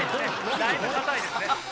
だいぶ硬いです。